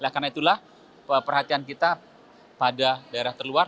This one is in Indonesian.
karena itulah perhatian kita pada daerah terluar